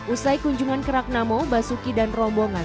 usai kunjungan ke ragnamo basuki dan rombongan